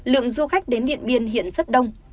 lượng du khách đến điện biên hiện rất đông